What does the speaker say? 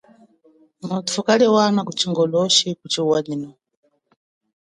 Muthu kaliwana ku chingoloshi kuchiwanyino.